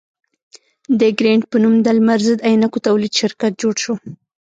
د ګرېنټ په نوم د لمر ضد عینکو تولید شرکت جوړ شو.